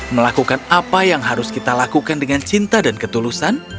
melakukan apa yang harus kita lakukan dengan cinta dan ketulusan